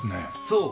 そう！